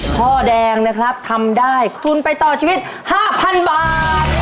ข้อแดงนะครับทำได้ทุนไปต่อชีวิต๕๐๐๐บาท